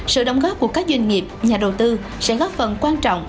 sự đóng góp của các doanh nghiệp nhà đầu tư sẽ góp phần quan trọng